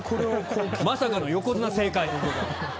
まさかの横綱正解！